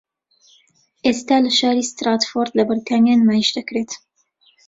ئێستا لە شاری ستراتفۆرد لە بەریتانیا نمایشدەکرێت